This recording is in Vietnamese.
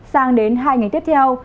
sang đến hai ngày tiếp theo